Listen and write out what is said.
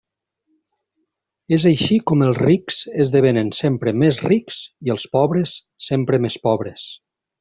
És així com els rics esdevenen sempre més rics i els pobres sempre més pobres.